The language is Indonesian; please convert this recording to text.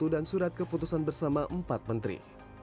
dan surat keputusan bersama empat menteri